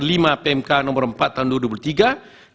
dan pembahasannya dengan pmk nomor empat tahun dua ribu tiga